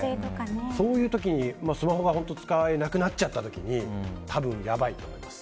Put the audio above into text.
そういう時にスマホが本当に使えなくなっちゃった時に多分、やばいと思います。